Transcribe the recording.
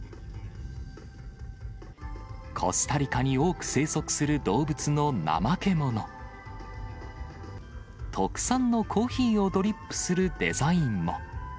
コスタリカに多く生息する動物のナマケモノ、特産のコーヒーをドリップするデザインも。